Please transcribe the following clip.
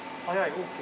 「ＯＫ」。